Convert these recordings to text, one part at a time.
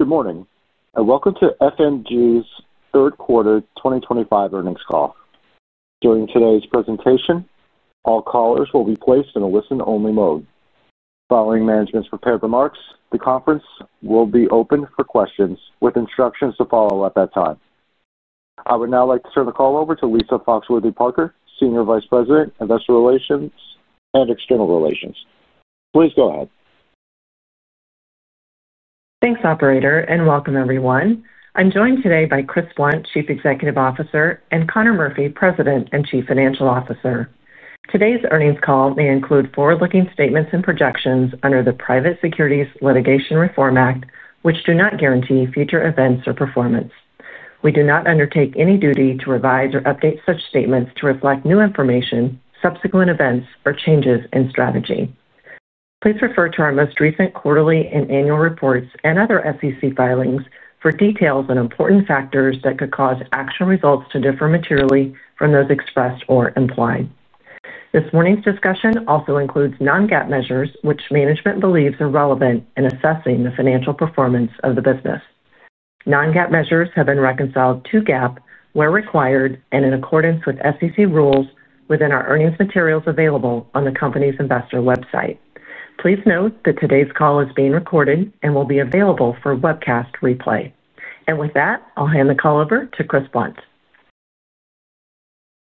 Good morning. Welcome to F&G's third quarter 2025 earnings call. During today's presentation, all callers will be placed in a listen-only mode. Following management's prepared remarks, the conference will be open for questions with instructions to follow at that time. I would now like to turn the call over to Lisa Foxworthy-Parker, Senior Vice President, Investor Relations and External Relations. Please go ahead. Thanks, Operator, and welcome, everyone. I'm joined today by Chris Blunt, Chief Executive Officer, and Conor Murphy, President and Chief Financial Officer. Today's earnings call may include forward-looking statements and projections under the Private Securities Litigation Reform Act, which do not guarantee future events or performance. We do not undertake any duty to revise or update such statements to reflect new information, subsequent events, or changes in strategy. Please refer to our most recent quarterly and annual reports and other SEC filings for details on important factors that could cause actual results to differ materially from those expressed or implied. This morning's discussion also includes non-GAAP measures, which management believes are relevant in assessing the financial performance of the business. Non-GAAP measures have been reconciled to GAAP where required and in accordance with SEC rules within our earnings materials available on the company's investor website. Please note that today's call is being recorded and will be available for webcast replay. And with that, I'll hand the call over to Chris Blunt.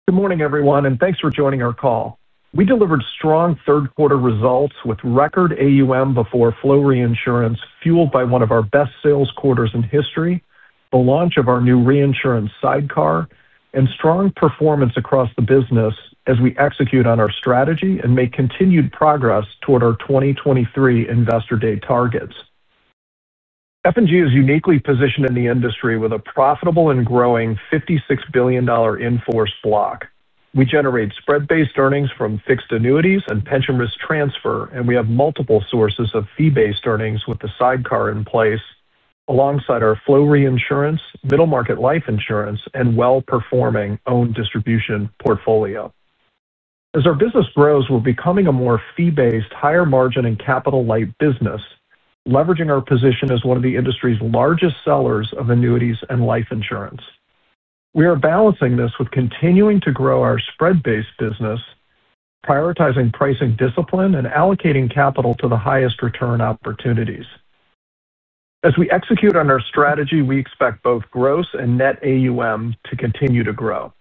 Good morning, everyone, and thanks for joining our call. We delivered strong third-quarter results with record AUM before flow reinsurance, fueled by one of our best sales quarters in history, the launch of our new reinsurance sidecar, and strong performance across the business as we execute on our strategy and make continued progress toward our 2023 Investor Day targets. F&G is uniquely positioned in the industry with a profitable and growing $56 billion in force block. We generate spread-based earnings from fixed annuities and pension risk transfer, and we have multiple sources of fee-based earnings with the sidecar in place alongside our flow reinsurance, middle market life insurance, and well-performing owned distribution portfolio. As our business grows, we're becoming a more fee-based, higher margin, and capital-light business, leveraging our position as one of the industry's largest sellers of annuities and life insurance. We are balancing this with continuing to grow our spread-based business, prioritizing pricing discipline and allocating capital to the highest return opportunities. As we execute on our strategy, we expect both gross and net AUM to continue to grow.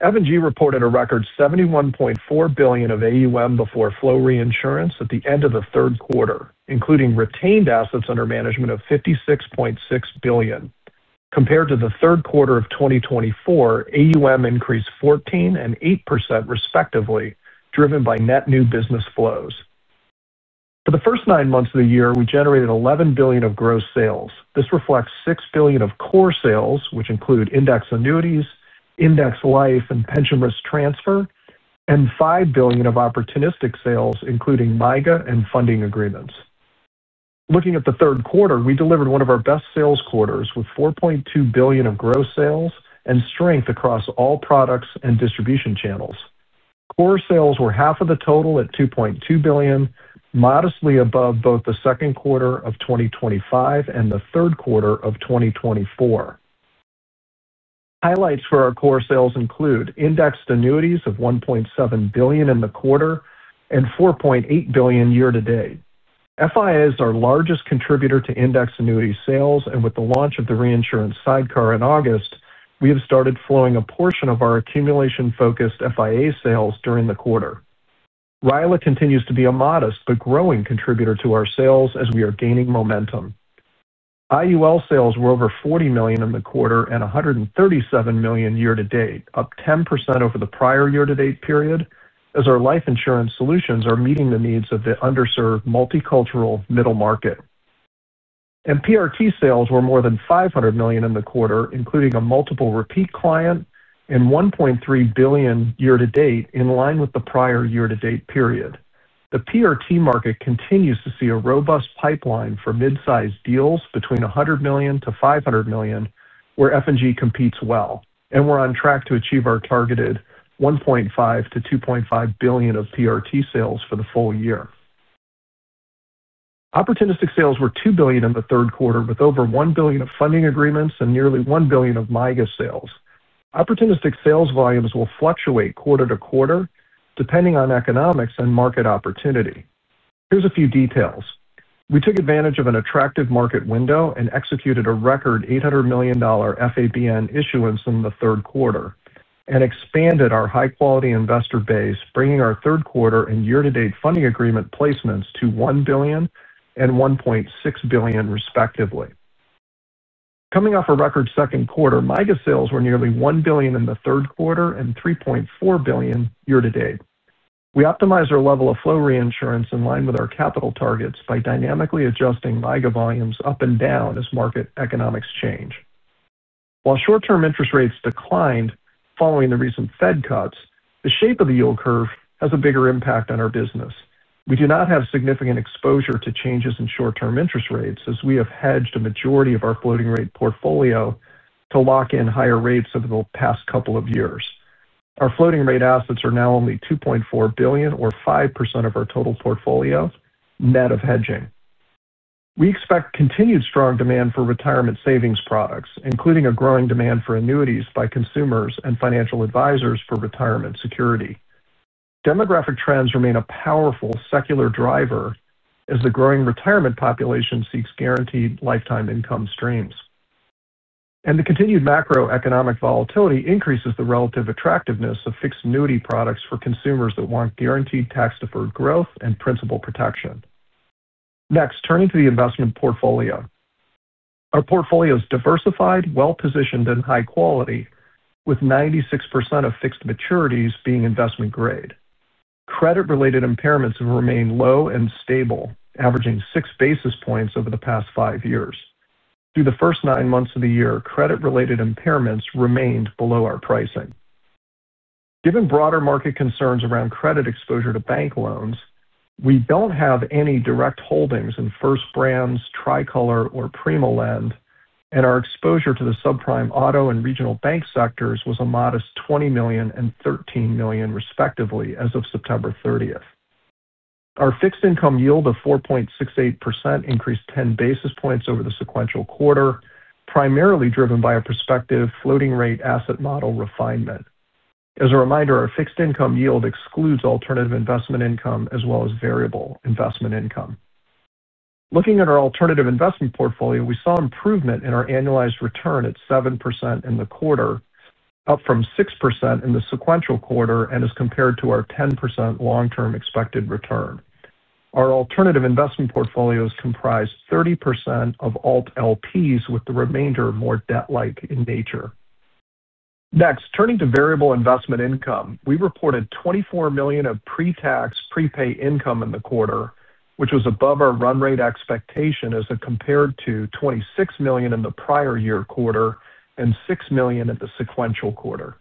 F&G reported a record $71.4 billion of AUM before flow reinsurance at the end of the third quarter, including retained assets under management of $56.6 billion. Compared to the third quarter of 2024, AUM increased 14% and 8% respectively, driven by net new business flows. For the first nine months of the year, we generated $11 billion of gross sales. This reflects $6 billion of core sales, which include index annuities, index life, and pension risk transfer, and $5 billion of opportunistic sales, including MYGA and funding agreements. Looking at the third quarter, we delivered one of our best sales quarters with $4.2 billion of gross sales and strength across all products and distribution channels. Core sales were half of the total at $2.2 billion, modestly above both the second quarter of 2025 and the third quarter of 2024. Highlights for our core sales include indexed annuities of $1.7 billion in the quarter and $4.8 billion year-to-date. FIA is our largest contributor to index annuity sales, and with the launch of the reinsurance sidecar in August, we have started flowing a portion of our accumulation-focused FIA sales during the quarter. RILA continues to be a modest but growing contributor to our sales as we are gaining momentum. IUL sales were over $40 million in the quarter and $137 million year-to-date, up 10% over the prior year-to-date period, as our life insurance solutions are meeting the needs of the underserved multicultural middle market. And PRT sales were more than $500 million in the quarter, including a multiple repeat client, and $1.3 billion year-to-date in line with the prior year-to-date period. The PRT market continues to see a robust pipeline for mid-sized deals between $100 million-$500 million, where F&G competes well, and we're on track to achieve our targeted $1.5 billion-$2.5 billion of PRT sales for the full year. Opportunistic sales were $2 billion in the third quarter, with over $1 billion of funding agreements and nearly $1 billion of MYGA sales. Opportunistic sales volumes will fluctuate quarter to quarter, depending on economics and market opportunity. Here's a few details. We took advantage of an attractive market window and executed a record $800 million FABN issuance in the third quarter and expanded our high-quality investor base, bringing our third quarter and year-to-date funding agreement placements to $1 billion and $1.6 billion, respectively. Coming off a record second quarter, MYGA sales were nearly $1 billion in the third quarter and $3.4 billion year-to-date. We optimized our level of flow reinsurance in line with our capital targets by dynamically adjusting MYGA volumes up and down as market economics change. While short-term interest rates declined following the recent Fed cuts, the shape of the yield curve has a bigger impact on our business. We do not have significant exposure to changes in short-term interest rates, as we have hedged a majority of our floating rate portfolio to lock in higher rates over the past couple of years. Our floating rate assets are now only $2.4 billion, or 5% of our total portfolio, net of hedging. We expect continued strong demand for retirement savings products, including a growing demand for annuities by consumers and financial advisors for retirement security. Demographic trends remain a powerful secular driver, as the growing retirement population seeks guaranteed lifetime income streams. And the continued macroeconomic volatility increases the relative attractiveness of fixed annuity products for consumers that want guaranteed tax-deferred growth and principal protection. Next, turning to the investment portfolio. Our portfolio is diversified, well-positioned, and high quality, with 96% of fixed maturities being investment grade. Credit-related impairments have remained low and stable, averaging 6 basis points over the past five years. Through the first nine months of the year, credit-related impairments remained below our pricing. Given broader market concerns around credit exposure to bank loans, we don't have any direct holdings in First Brands, Tricolor, or PrimaLend, and our exposure to the subprime auto and regional bank sectors was a modest $20 million and $13 million, respectively, as of September 30th. Our fixed income yield of 4.68% increased 10 basis points over the sequential quarter, primarily driven by a prospective floating rate asset model refinement. As a reminder, our fixed income yield excludes alternative investment income as well as variable investment income. Looking at our alternative investment portfolio, we saw improvement in our annualized return at 7% in the quarter, up from 6% in the sequential quarter and as compared to our 10% long-term expected return. Our alternative investment portfolios comprised 30% of Alt LPs, with the remainder more debt-like in nature. Next, turning to variable investment income, we reported $24 million of pre-tax, prepay income in the quarter, which was above our run rate expectation as compared to $26 million in the prior year quarter and $6 million in the sequential quarter.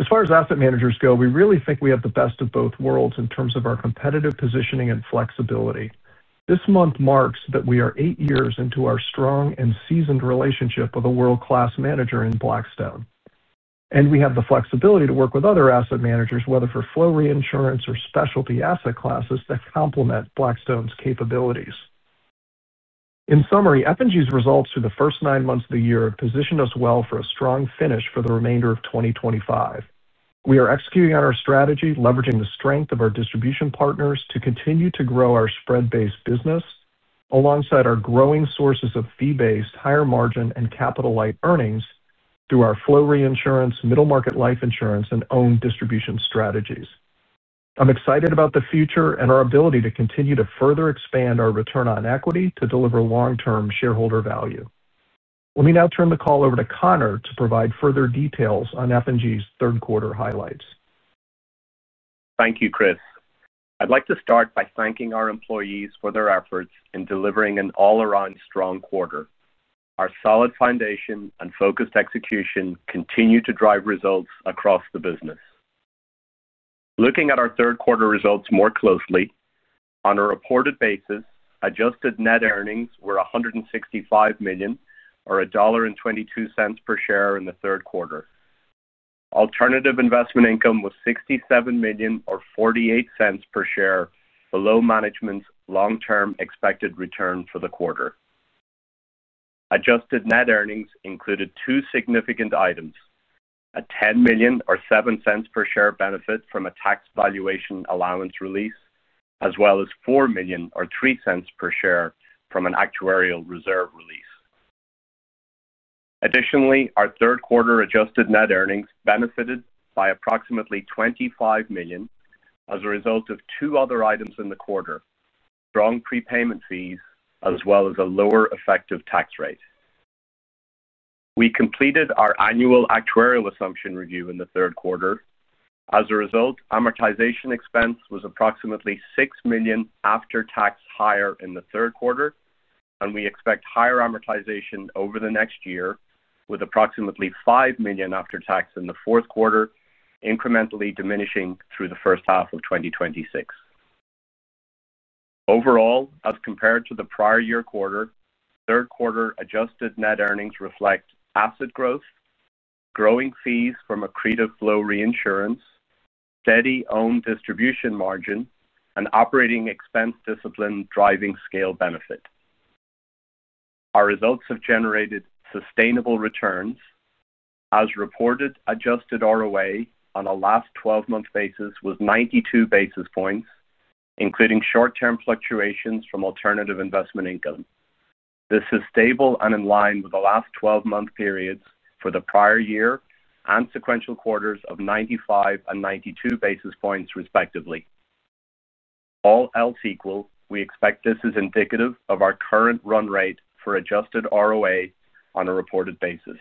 As far as asset managers go, we really think we have the best of both worlds in terms of our competitive positioning and flexibility. This month marks that we are eight years into our strong and seasoned relationship with a world-class manager in Blackstone. We have the flexibility to work with other asset managers, whether for flow reinsurance or specialty asset classes that complement Blackstone's capabilities. In summary, F&G's results through the first nine months of the year positioned us well for a strong finish for the remainder of 2025. We are executing on our strategy, leveraging the strength of our distribution partners to continue to grow our spread-based business alongside our growing sources of fee-based, higher margin, and capital-light earnings through our flow reinsurance, middle market life insurance, and owned distribution strategies. I'm excited about the future and our ability to continue to further expand our return on equity to deliver long-term shareholder value. Let me now turn the call over to Conor to provide further details on F&G's third quarter highlights. Thank you, Chris. I'd like to start by thanking our employees for their efforts in delivering an all-around strong quarter. Our solid foundation and focused execution continue to drive results across the business. Looking at our third quarter results more closely, on a reported basis, adjusted net earnings were $165 million, or $1.22 per share in the third quarter. Alternative investment income was $67 million, or $0.48 per share, below management's long-term expected return for the quarter. Adjusted net earnings included two significant items: a $10 million, or $0.07 per share, benefit from a tax valuation allowance release, as well as $4 million, or $0.03 per share, from an actuarial reserve release. Additionally, our third quarter adjusted net earnings benefited by approximately $25 million as a result of two other items in the quarter: strong prepayment fees, as well as a lower effective tax rate. We completed our annual actuarial assumption review in the third quarter. As a result, amortization expense was approximately $6 million after tax higher in the third quarter, and we expect higher amortization over the next year, with approximately $5 million after tax in the fourth quarter, incrementally diminishing through the first half of 2026. Overall, as compared to the prior year quarter, third quarter adjusted net earnings reflect asset growth, growing fees from accretive flow reinsurance, steady owned distribution margin, and operating expense discipline driving scale benefit. Our results have generated sustainable returns. As reported, adjusted ROA on a last 12-month basis was 92 basis points, including short-term fluctuations from alternative investment income. This is stable and in line with the last 12-month periods for the prior year and sequential quarters of 95 basis points and 92 basis points, respectively. All else equal, we expect this is indicative of our current run rate for adjusted ROA on a reported basis.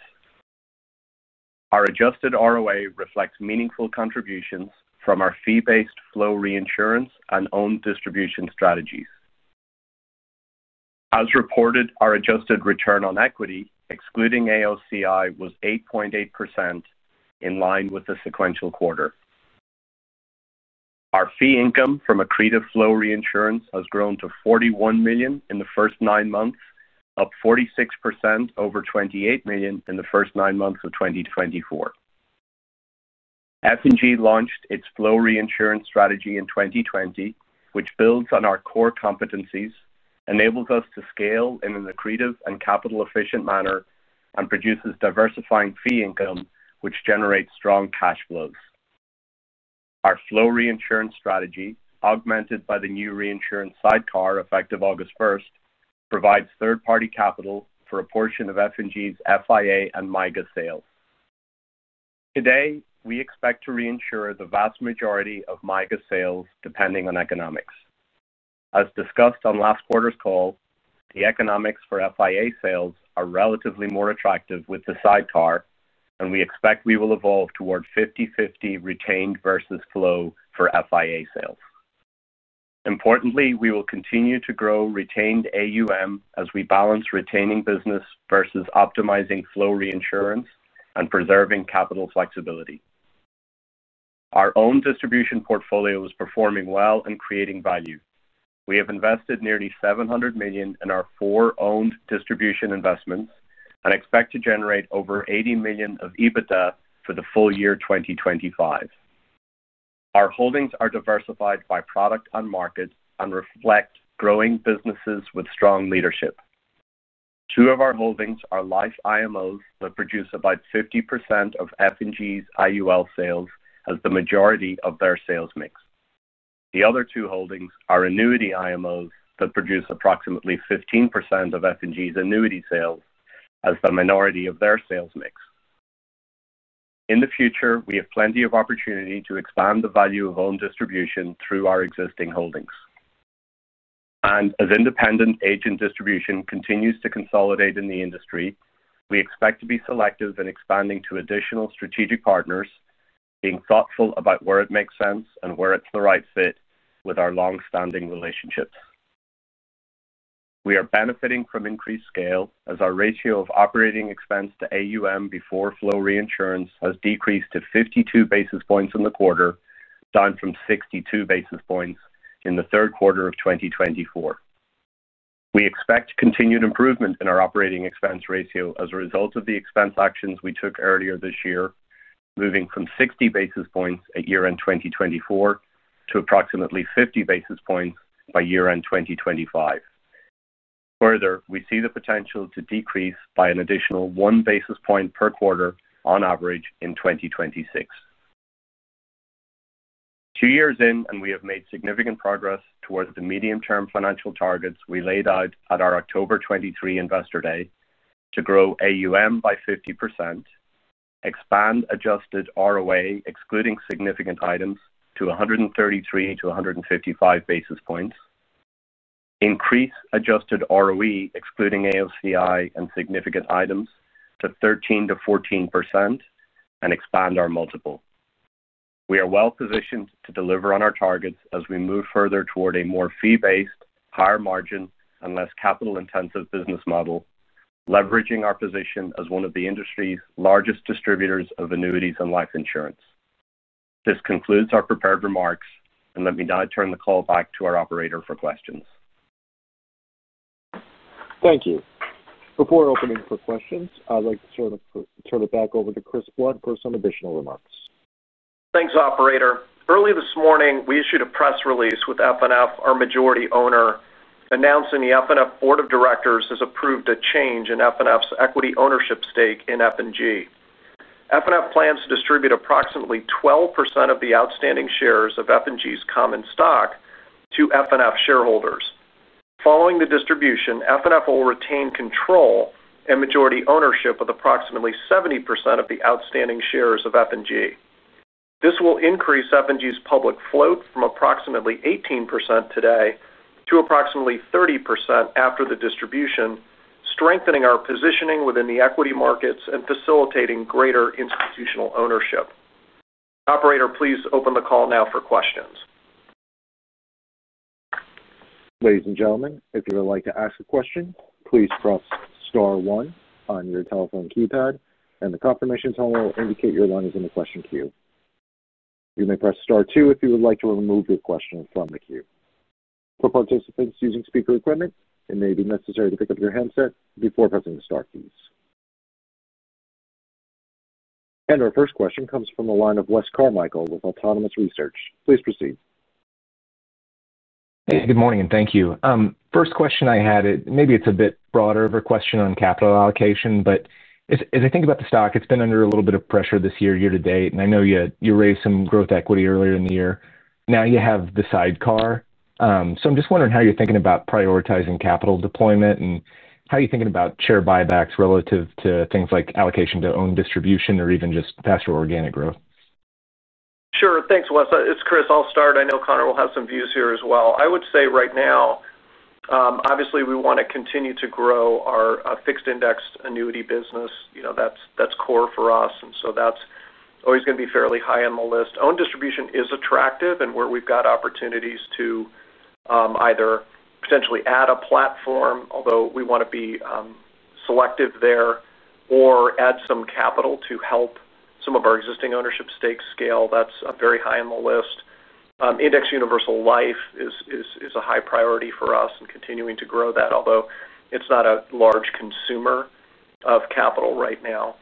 Our adjusted ROA reflects meaningful contributions from our fee-based flow reinsurance and owned distribution strategies. As reported, our adjusted return on equity, excluding AOCI, was 8.8%, in line with the sequential quarter. Our fee income from accretive flow reinsurance has grown to $41 million in the first nine months, up 46% over $28 million in the first nine months of 2024. F&G launched its flow reinsurance strategy in 2020, which builds on our core competencies, enables us to scale in an accretive and capital-efficient manner, and produces diversifying fee income, which generates strong cash flows. Our flow reinsurance strategy, augmented by the new reinsurance sidecar effective August 1st, provides third-party capital for a portion of F&G's FIA and MYGA sales. Today, we expect to reinsure the vast majority of MYGA sales, depending on economics. As discussed on last quarter's call, the economics for FIA sales are relatively more attractive with the sidecar, and we expect we will evolve toward 50/50 retained versus flow for FIA sales. Importantly, we will continue to grow retained AUM as we balance retaining business versus optimizing flow reinsurance and preserving capital flexibility. Our own distribution portfolio is performing well and creating value. We have invested nearly $700 million in our four owned distribution investments and expect to generate over $80 million of EBITDA for the full year 2025. Our holdings are diversified by product and market and reflect growing businesses with strong leadership. Two of our holdings are life IMOs that produce about 50% of F&G's IUL sales as the majority of their sales mix. The other two holdings are annuity IMOs that produce approximately 15% of F&G's annuity sales as the minority of their sales mix. In the future, we have plenty of opportunity to expand the value of owned distribution through our existing holdings. And as independent agent distribution continues to consolidate in the industry, we expect to be selective in expanding to additional strategic partners, being thoughtful about where it makes sense and where it's the right fit with our long-standing relationships. We are benefiting from increased scale as our ratio of operating expense to AUM before flow reinsurance has decreased to 52 basis points in the quarter, down from 62 basis points in the third quarter of 2024. We expect continued improvement in our operating expense ratio as a result of the expense actions we took earlier this year, moving from 60 basis points at year-end 2024 to approximately 50 basis points by year-end 2025. Further, we see the potential to decrease by an additional 1 basis point per quarter on average in 2026. Two years in, and we have made significant progress towards the medium-term financial targets we laid out at our October 23 Investor Day to grow AUM by 50%, expand adjusted ROA excluding significant items to 133 basis points to 155 basis points, increase adjusted ROE excluding AOCI and significant items to 13% to 14%, and expand our multiple. We are well-positioned to deliver on our targets as we move further toward a more fee-based, higher margin, and less capital-intensive business model, leveraging our position as one of the industry's largest distributors of annuities and life insurance. This concludes our prepared remarks, and let me now turn the call back to our operator for questions. Thank you. Before opening for questions, I'd like to turn it back over to Chris Blunt for some additional remarks. Thanks, Operator. Early this morning, we issued a press release with FNF, our majority owner, announcing the FNF Board of Directors has approved a change in FNF's equity ownership stake in F&G. FNF plans to distribute approximately 12% of the outstanding shares of F&G's common stock to FNF shareholders. Following the distribution, FNF will retain control and majority ownership of approximately 70% of the outstanding shares of F&G. This will increase F&G's public float from approximately 18% today to approximately 30% after the distribution, strengthening our positioning within the equity markets and facilitating greater institutional ownership. Operator, please open the call now for questions. Ladies and gentlemen, if you would like to ask a question, please press star one on your telephone keypad, and the confirmation tunnel will indicate your line is in the question queue. You may press star two if you would like to remove your question from the queue. For participants using speaker equipment, it may be necessary to pick up your handset before pressing the star keys. And our first question comes from the line of Wes Carmichael with Autonomous Research. Please proceed. Hey, good morning, and thank you. First question I had, maybe it's a bit broader of a question on capital allocation, but as I think about the stock, it's been under a little bit of pressure this year, year to date, and I know you raised some growth equity earlier in the year. Now you have the sidecar. So I'm just wondering how you're thinking about prioritizing capital deployment and how you're thinking about share buybacks relative to things like allocation to owned distribution or even just pastoral organic growth. Sure. Thanks, Wes. It's Chris. I'll start. I know Conor will have some views here as well. I would say right now, obviously, we want to continue to grow our fixed index annuity business. That's core for us, and so that's always going to be fairly high on the list. Owned distribution is attractive and where we've got opportunities to either potentially add a platform, although we want to be selective there, or add some capital to help some of our existing ownership stake scale. That's very high on the list. Indexed universal life is a high priority for us and continuing to grow that, although it's not a large consumer of capital right now.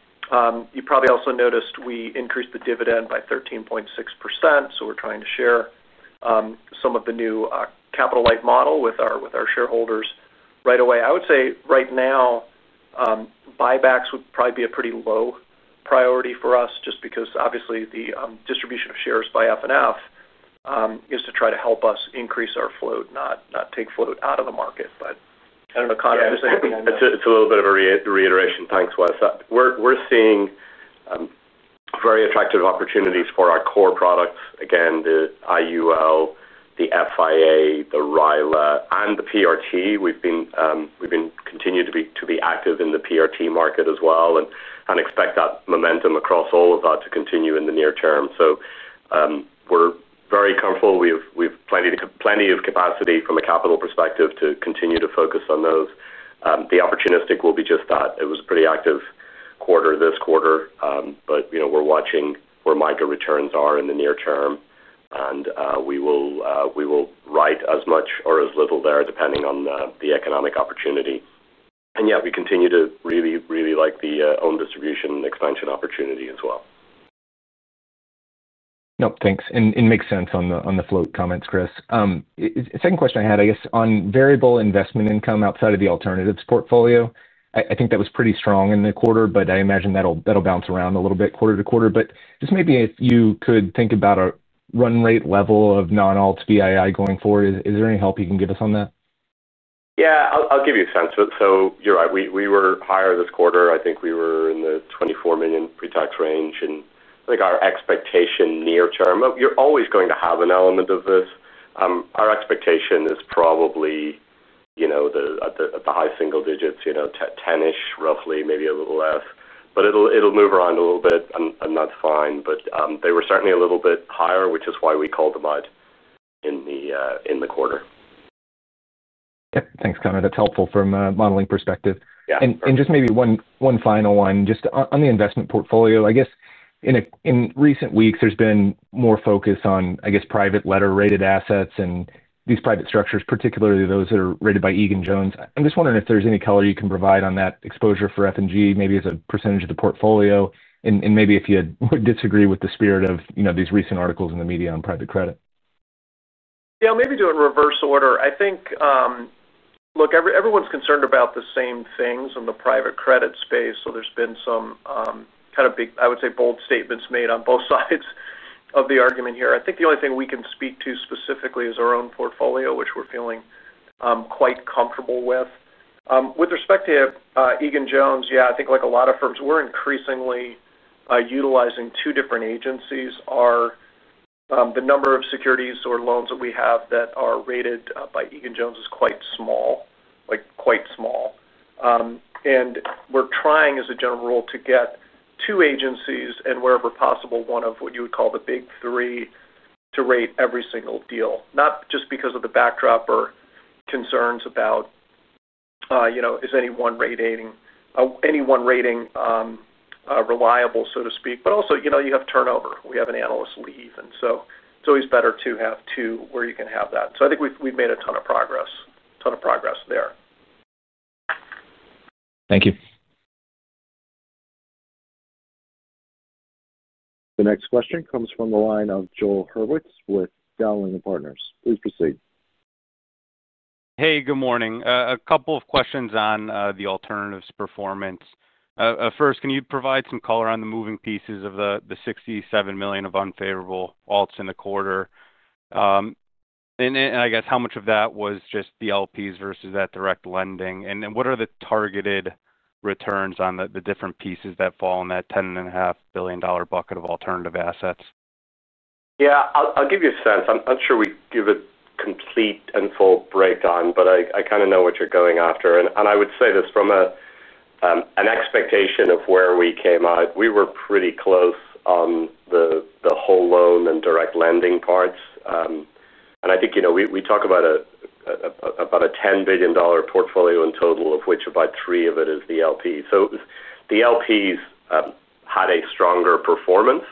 You probably also noticed we increased the dividend by 13.6%, so we're trying to share some of the new capital-light model with our shareholders right away. I would say right now, buybacks would probably be a pretty low priority for us just because, obviously, the distribution of shares by FNF is to try to help us increase our float, not take float out of the market. But I don't know, Conor. It's a little bit of a reiteration. Thanks, Wes. We're seeing very attractive opportunities for our core products, again, the IUL, the FIA, the RILA, and the PRT. We've continued to be active in the PRT market as well and expect that momentum across all of that to continue in the near term. So we're very comfortable. We have plenty of capacity from a capital perspective to continue to focus on those. The opportunistic will be just that. It was a pretty active quarter this quarter, but we're watching where MYGA returns are in the near term, and we will write as much or as little there depending on the economic opportunity. And yeah, we continue to really, really like the owned distribution expansion opportunity as well. No, thanks. And it makes sense on the float comments, Chris. Second question I had, I guess, on variable investment income outside of the alternatives portfolio. I think that was pretty strong in the quarter, but I imagine that'll bounce around a little bit quarter to quarter. But just maybe if you could think about a run rate level of non-alt AII going forward, is there any help you can give us on that? Yeah, I'll give you a sense. So you're right. We were higher this quarter. I think we were in the $24 million pre-tax range. And I think our expectation near term, you're always going to have an element of this. Our expectation is probably at the high single digits, 10%-ish roughly, maybe a little less, but it'll move around a little bit, and that's fine. But they were certainly a little bit higher, which is why we called them out in the quarter. Yeah, thanks, Conor. That's helpful from a modeling perspective. And just maybe one final one, just on the investment portfolio, I guess in recent weeks, there's been more focus on, I guess, private letter-rated assets and these private structures, particularly those that are rated by Egan-Jones. I'm just wondering if there's any color you can provide on that exposure for F&G, maybe as a percentage of the portfolio, and maybe if you would disagree with the spirit of these recent articles in the media on private credit. Yeah, maybe do it in reverse order. I think, look, everyone's concerned about the same things in the private credit space, so there's been some kind of big, I would say, bold statements made on both sides of the argument here. I think the only thing we can speak to specifically is our own portfolio, which we're feeling quite comfortable with. With respect to Egan-Jones, yeah, I think like a lot of firms, we're increasingly utilizing two different agencies. The number of securities or loans that we have that are rated by Egan-Jones is quite small, quite small. And we're trying, as a general rule, to get two agencies and, wherever possible, one of what you would call the big three to rate every single deal, not just because of the backdrop or concerns about is anyone rating reliable, so to speak. But also, you have turnover. We have an analyst leave, and so it's always better to have two where you can have that. So I think we've made a ton of progress, a ton of progress there. Thank you. The next question comes from the line of Joel Hurwitz with Dowling & Partners. Please proceed. Hey, good morning. A couple of questions on the alternatives performance. First, can you provide some color on the moving pieces of the $67 million of unfavorable alts in the quarter? And I guess how much of that was just the LPs versus that direct lending? And what are the targeted returns on the different pieces that fall in that $10.5 billion bucket of alternative assets? Yeah, I'll give you a sense. I'm not sure we give a complete and full breakdown, but I kind of know what you're going after. And I would say this from an expectation of where we came out. We were pretty close on the whole loan and direct lending parts. And I think we talk about a $10 billion portfolio in total, of which about three of it is the LPs. So the LPs had a stronger performance.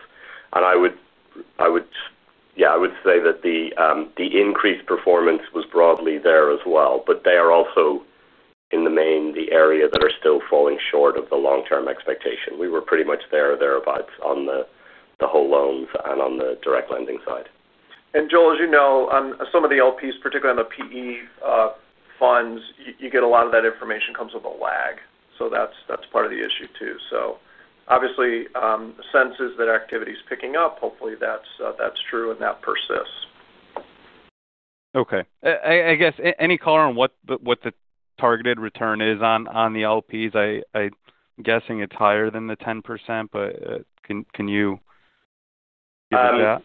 And I would, yeah, I would say that the increased performance was broadly there as well, but they are also in the main area that are still falling short of the long-term expectation. We were pretty much there, thereabouts on the whole loans and on the direct lending side. And Joel, as you know, on some of the LPs, particularly on the PE funds, you get a lot of that information comes with a lag. So that's part of the issue too. So obviously, the sense is that activity is picking up. Hopefully, that's true and that persists. Okay. I guess any color on what the targeted return is on the LPs? I'm guessing it's higher than the 10%, but can you give me that?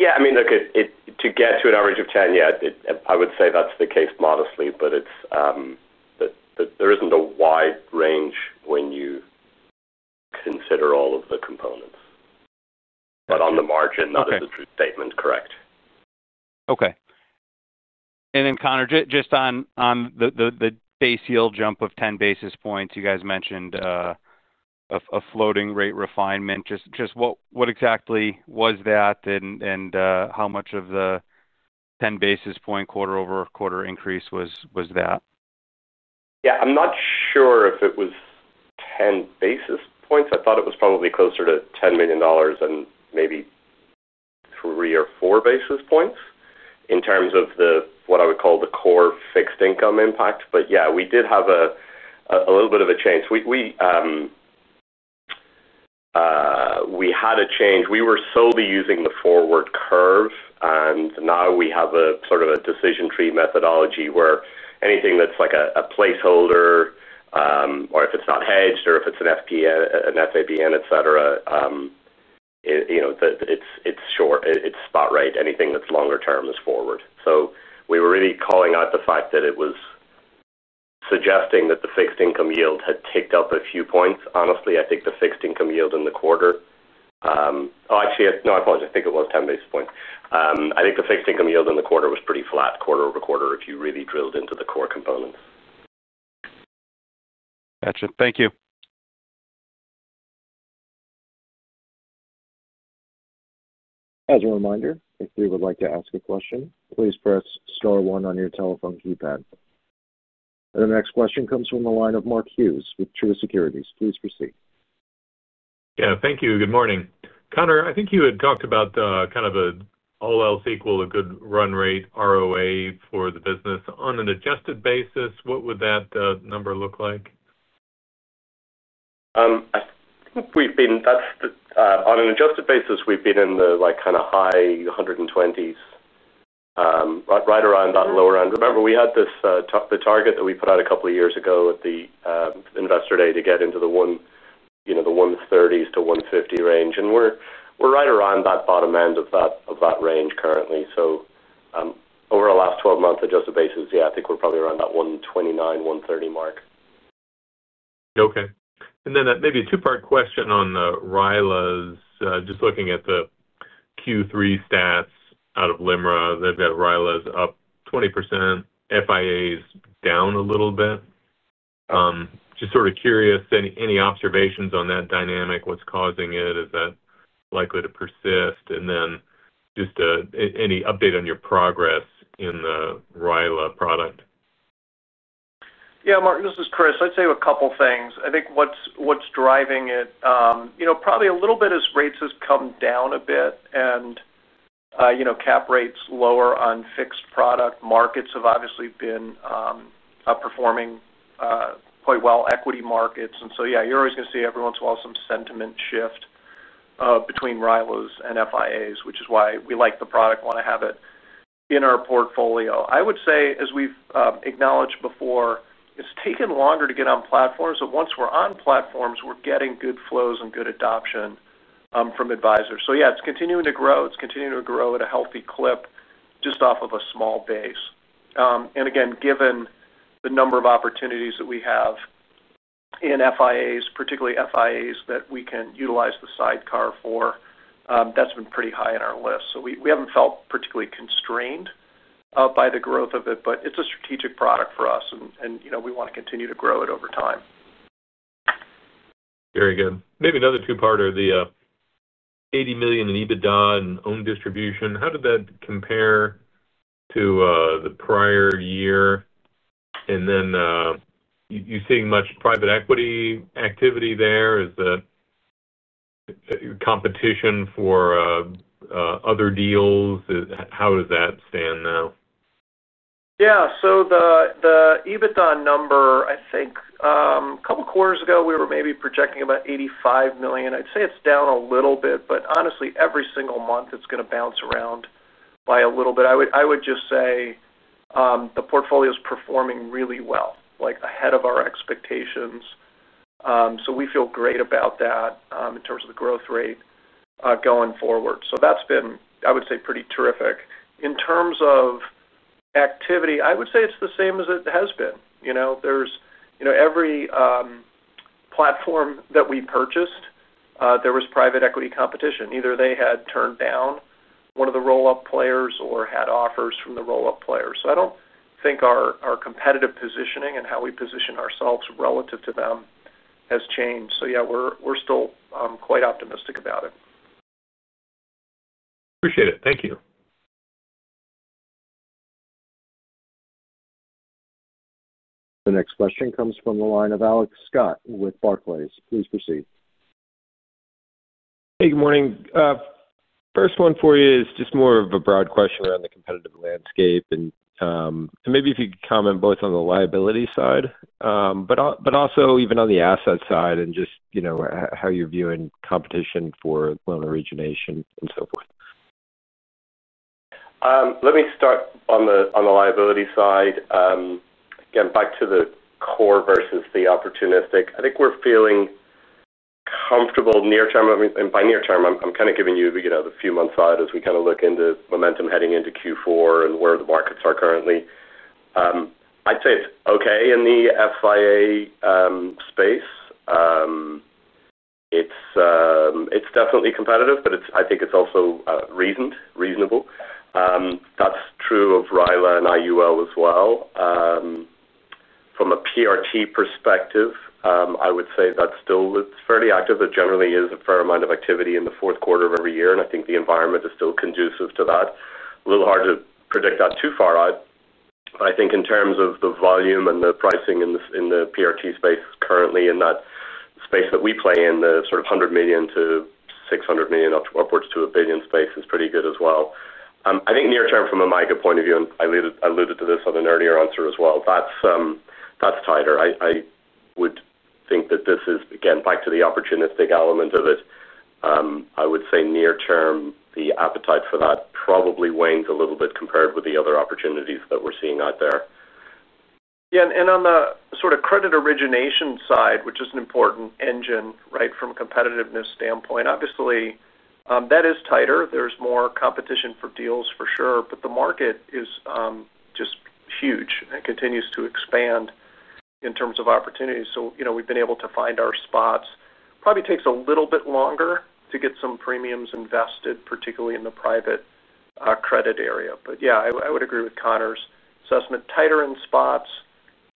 Yeah. I mean, look, to get to an average of 10%, yeah, I would say that's the case modestly, but there isn't a wide range when you consider all of the components. But on the margin, that is a true statement, correct. Okay. And then, Conor, just on the base yield jump of 10 basis points, you guys mentioned a floating rate refinement. Just what exactly was that and how much of the 10 basis point quarter-over-quarter increase was that? Yeah, I'm not sure if it was 10 basis points. I thought it was probably closer to $10 million and maybe 3 basis points or 4 basis points in terms of what I would call the core fixed income impact. But yeah, we did have a little bit of a change. We had a change. We were solely using the forward curve, and now we have sort of a decision tree methodology where anything that's like a placeholder, or if it's not hedged, or if it's an FPN, an FABN, etc., it's spot right. Anything that's longer term is forward. So we were really calling out the fact that it was suggesting that the fixed income yield had ticked up a few points. Honestly, I think the fixed income yield in the quarter—oh, actually, no, I apologize. I think it was 10 basis points. I think the fixed income yield in the quarter was pretty flat quarter over quarter if you really drilled into the core components. Gotcha. Thank you. As a reminder, if you would like to ask a question, please press star one on your telephone keypad. And the next question comes from the line of Mark Hughes with Truist Securities. Please proceed. Yeah, thank you. Good morning. Conor, I think you had talked about kind of an all else equal, a good run rate ROA for the business. On an adjusted basis, what would that number look like? I think we've been—on an adjusted basis, we've been in the kind of high 120s, right around that lower end. Remember, we had the target that we put out a couple of years ago at the Investor Day to get into the 130 basis points to 150 basis points range. And we're right around that bottom end of that range currently. So over the last 12 months, adjusted basis, yeah, I think we're probably around that 129 basis points-130 basis points mark. Okay. And then maybe a two-part question on RILAs. Just looking at the Q3 stats out of LIMRA, they've got RILAs up 20%, FIAs down a little bit. Just sort of curious, any observations on that dynamic? What's causing it? Is that likely to persist? And then just any update on your progress in the RILA product? Yeah, Mark, this is Chris. I'd say a couple of things. I think what's driving it, probably a little bit as rates have come down a bit and cap rates lower on fixed product markets have obviously been performing quite well, equity markets. And so, yeah, you're always going to see every once in a while some sentiment shift between RILAs and FIAs, which is why we like the product, want to have it in our portfolio. I would say, as we've acknowledged before, it's taken longer to get on platforms. But once we're on platforms, we're getting good flows and good adoption from advisors. So yeah, it's continuing to grow. It's continuing to grow at a healthy clip just off of a small base. And again, given the number of opportunities that we have in FIAs, particularly FIAs that we can utilize the sidecar for, that's been pretty high in our list. So we haven't felt particularly constrained by the growth of it, but it's a strategic product for us, and we want to continue to grow it over time. Very good. Maybe another two-part are the $80 million in EBITDA and owned distribution. How did that compare to the prior year? And then you're seeing much private equity activity there. Is that competition for other deals? How does that stand now? Yeah. So the EBITDA number, I think a couple of quarters ago, we were maybe projecting about $85 million. I'd say it's down a little bit, but honestly, every single month, it's going to bounce around by a little bit. I would just say the portfolio is performing really well, ahead of our expectations. So we feel great about that in terms of the growth rate going forward. So that's been, I would say, pretty terrific. In terms of activity, I would say it's the same as it has been. Every platform that we purchased, there was private equity competition. Either they had turned down one of the roll-up players or had offers from the roll-up players. So I don't think our competitive positioning and how we position ourselves relative to them has changed. So yeah, we're still quite optimistic about it. Appreciate it. Thank you. The next question comes from the line of Alex Scott with Barclays. Please proceed. Hey, good morning. First one for you is just more of a broad question around the competitive landscape. And maybe if you could comment both on the liability side, but also even on the asset side and just how you're viewing competition for loan origination and so forth. Let me start on the liability side. Again, back to the core versus the opportunistic. I think we're feeling comfortable near term. And by near term, I'm kind of giving you the few months out as we kind of look into momentum heading into Q4 and where the markets are currently. I'd say it's okay in the FIA space. It's definitely competitive, but I think it's also reasoned, reasonable. That's true of RILA and IUL as well. From a PRT perspective, I would say that's still fairly active. There generally is a fair amount of activity in the fourth quarter of every year, and I think the environment is still conducive to that. A little hard to predict that too far out. But I think in terms of the volume and the pricing in the PRT space currently in that space that we play in, the sort of $100 million-$600 million upwards to a billion space is pretty good as well. I think near term from a micro point of view, and I alluded to this on an earlier answer as well, that's tighter. I would think that this is, again, back to the opportunistic element of it. I would say near term, the appetite for that probably wanes a little bit compared with the other opportunities that we're seeing out there. Yeah. And on the sort of credit origination side, which is an important engine, right, from a competitiveness standpoint, obviously, that is tighter. There's more competition for deals for sure, but the market is just huge and continues to expand in terms of opportunity. So we've been able to find our spots. Probably takes a little bit longer to get some premiums invested, particularly in the private credit area. But yeah, I would agree with Conor's assessment. Tighter in spots,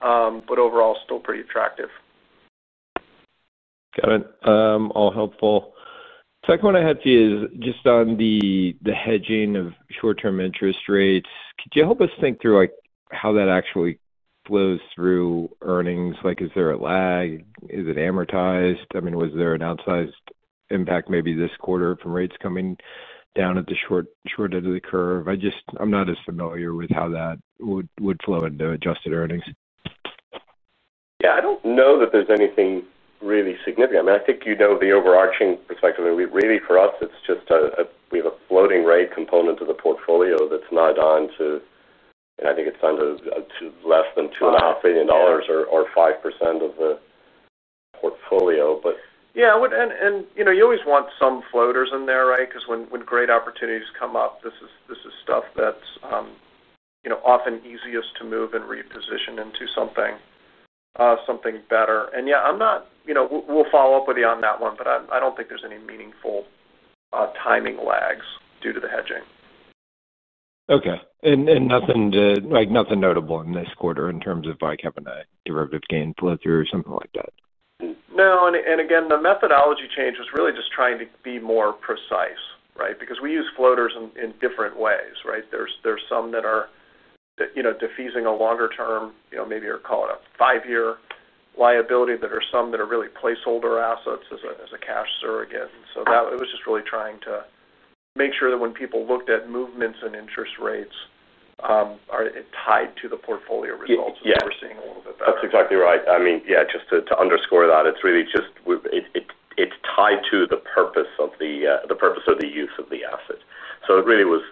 but overall still pretty attractive. Got it. All helpful. Second one I had for you is just on the hedging of short-term interest rates. Could you help us think through how that actually flows through earnings? Is there a lag? Is it amortized? I mean, was there an outsized impact maybe this quarter from rates coming down at the short end of the curve? I'm not as familiar with how that would flow into adjusted earnings. Yeah. I don't know that there's anything really significant. I mean, I think you know the overarching perspective. Really, for us, it's just we have a floating rate component to the portfolio that's not on to, and I think it's on to less than $2.5 billion or 5% of the portfolio. But. Yeah, and you always want some floaters in there, right? Because when great opportunities come up, this is stuff that's often easiest to move and reposition into something better. And yeah, I'm not we'll follow up with you on that one, but I don't think there's any meaningful timing lags due to the hedging. Okay. And nothing notable in this quarter in terms of, like, having a derivative gain flow through or something like that? No. And again, the methodology change was really just trying to be more precise, right? Because we use floaters in different ways, right? There's some that are defeasing a longer term, maybe you're calling it a five-year liability. There are some that are really placeholder assets as a cash surrogate. And so it was just really trying to make sure that when people looked at movements and interest rates, are it tied to the portfolio results? And we're seeing a little bit better. That's exactly right. I mean, yeah, just to underscore that, it's really just it's tied to the purpose of the use of the asset. So it really was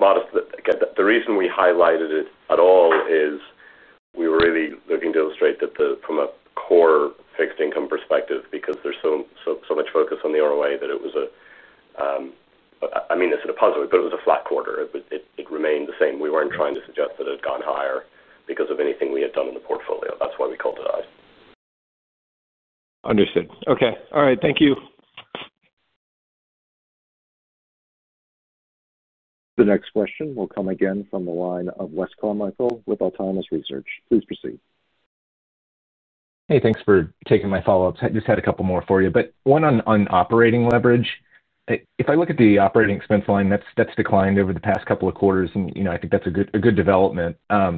modest. The reason we highlighted it at all is we were really looking to illustrate that from a core fixed income perspective, because there's so much focus on the ROA that it was a—I mean, it's in a positive way, but it was a flat quarter. It remained the same. We weren't trying to suggest that it had gone higher because of anything we had done in the portfolio. That's why we called it out. Understood. Okay. All right. Thank you. The next question will come again from the line of Wes Carmichael with Autonomous Research. Please proceed. Hey, thanks for taking my follow-ups. I just had a couple more for you, but one on operating leverage. If I look at the operating expense line, that's declined over the past couple of quarters, and I think that's a good development. I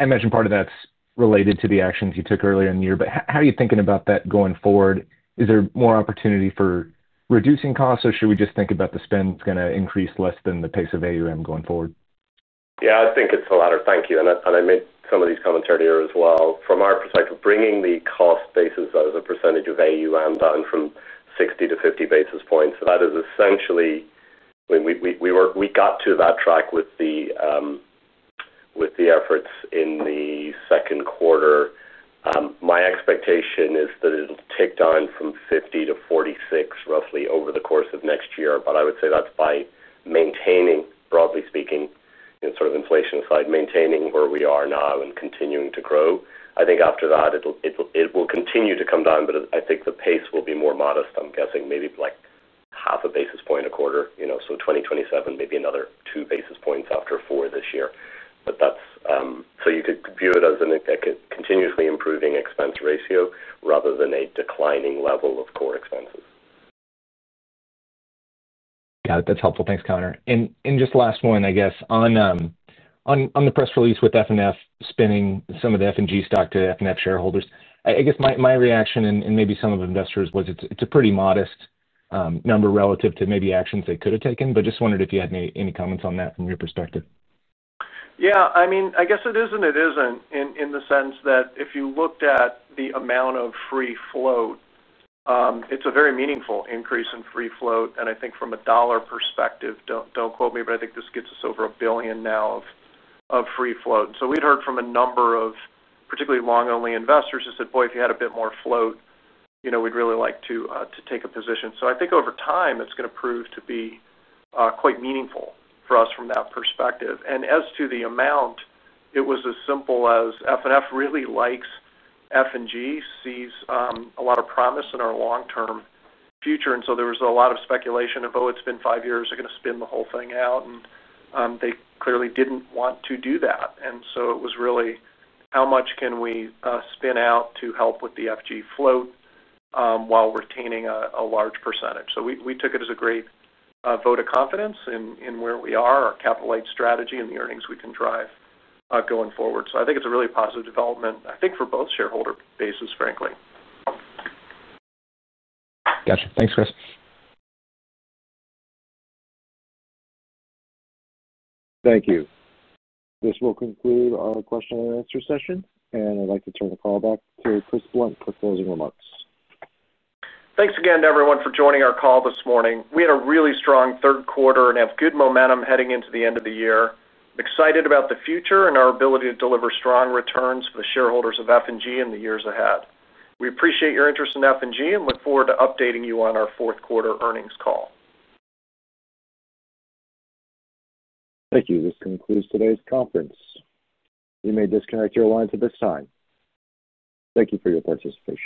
imagine part of that's related to the actions you took earlier in the year, but how are you thinking about that going forward? Is there more opportunity for reducing costs, or should we just think about the spend's going to increase less than the pace of AUM going forward? Yeah, I think it's a lot of—thank you. And I made some of these comments earlier as well. From our perspective, bringing the cost basis as a percentage of AUM down from 60 basis points to 50 basis points, that is essentially—I mean, we got to that track with the efforts in the second quarter. My expectation is that it'll tick down from 50 basis points to 46 basis points roughly over the course of next year, but I would say that's by maintaining, broadly speaking, sort of inflation aside, maintaining where we are now and continuing to grow. I think after that, it will continue to come down, but I think the pace will be more modest. I'm guessing maybe like 0.5 basis point a quarter. So 2027, maybe another 2 basis points after four this year. So you could view it as a continuously improving expense ratio rather than a declining level of core expenses. Got it. That's helpful. Thanks, Conor. And just last one, I guess, on the press release with FNF spinning some of the F&G stock to FNF shareholders, I guess my reaction and maybe some of investors was it's a pretty modest number relative to maybe actions they could have taken, but just wondered if you had any comments on that from your perspective. Yeah. I mean, I guess it is and it isn't in the sense that if you looked at the amount of free float, it's a very meaningful increase in free float. And I think from a dollar perspective, don't quote me, but I think this gets us over a billion now of free float. And so we'd heard from a number of particularly long-only investors who said, "Boy, if you had a bit more float, we'd really like to take a position." So I think over time, it's going to prove to be quite meaningful for us from that perspective. And as to the amount, it was as simple as FNF really likes F&G, sees a lot of promise in our long-term future. And so there was a lot of speculation of, "Oh, it's been five years. They're going to spin the whole thing out." And they clearly didn't want to do that. And so it was really how much can we spin out to help with the F&G float while retaining a large percentage. So we took it as a great vote of confidence in where we are, our capital-light strategy, and the earnings we can drive going forward. So I think it's a really positive development, I think, for both shareholder bases, frankly. Gotcha. Thanks, Chris. Thank you. This will conclude our question and answer session, and I'd like to turn the call back to Chris Blunt for closing remarks. Thanks again to everyone for joining our call this morning. We had a really strong third quarter and have good momentum heading into the end of the year. I'm excited about the future and our ability to deliver strong returns for the shareholders of F&G in the years ahead. We appreciate your interest in F&G and look forward to updating you on our fourth quarter earnings call. Thank you. This concludes today's conference. You may disconnect your lines at this time. Thank you for your participation.